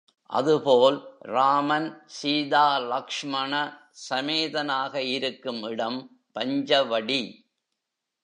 அதுபோல் ராமன் சீதா லக்ஷ்மண சமேதனாக இருக்கும் இடம் பஞ்சவடி.